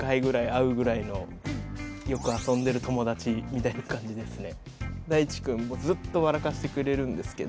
みたいな感じですね。